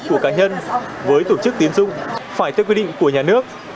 của cá nhân với tổ chức tiến dụng phải theo quy định của nhà nước